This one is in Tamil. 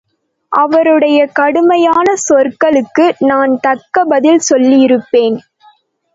அவருடைய கடுமையான சொற்களுக்கு நான் தக்க பதில் சொல்லியிருப்பேன்.